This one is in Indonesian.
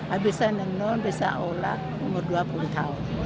habis saya menenun bisa olah umur dua puluh tahun